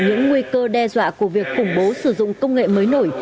những nguy cơ đe dọa của việc khủng bố sử dụng công nghệ mới nổi